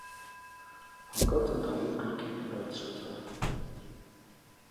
Հանկարծ ընդհանուր քրքիջ բարձրացավ: